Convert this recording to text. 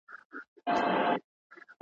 خو دا زما په زړگي نه ځايږي